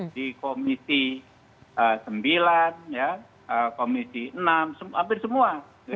di komisi sembilan komisi enam hampir semua